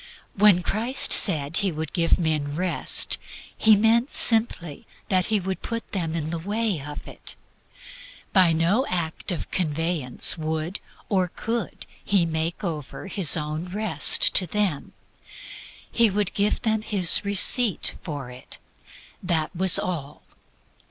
When Christ said He would give men Rest, He meant simply that He would put them in the way of it. By no act of conveyance would or could He make over His own Rest to them. He could give them HIS RECEIPT for it. That was all.